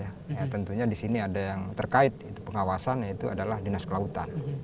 ya tentunya di sini ada yang terkait itu pengawasan yaitu adalah dinas kelautan